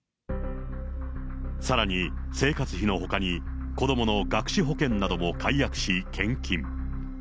さらに、生活費のほかに、子どもの学資保険なども解約し献金。